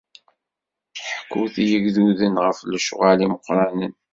Ḥkut i yigduden ɣef lecɣal-is imeqqranen!